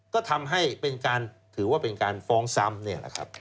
ก็ทำให้เป็นการถือว่าเป็นการฟ้องซ้ำเนี่ยนะครับ